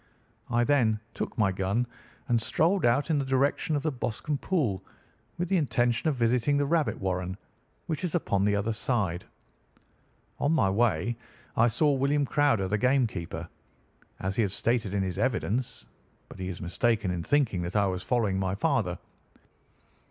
I then took my gun and strolled out in the direction of the Boscombe Pool, with the intention of visiting the rabbit warren which is upon the other side. On my way I saw William Crowder, the game keeper, as he had stated in his evidence; but he is mistaken in thinking that I was following my father.